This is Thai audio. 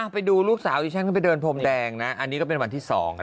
พี่ฉันก็ไปเดินพรมแดงนะอันนี้ก็เป็นวันที่สอง